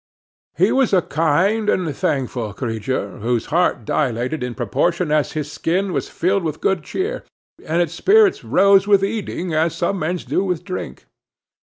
He was a kind and thankful creature, whose heart dilated in proportion as his skin was filled with good cheer, and whose spirits rose with eating, as some men's do with drink.